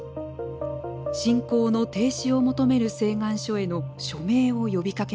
侵攻の停止を求める請願書への署名を呼びかけましたが。